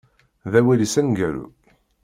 D awal-is aneggaru.